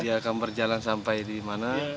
dia akan berjalan sampai di mana